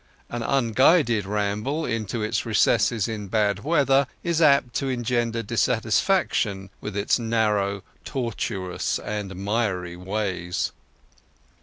An unguided ramble into its recesses in bad weather is apt to engender dissatisfaction with its narrow, tortuous, and miry ways.